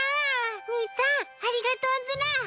兄ちゃんありがとうズラ！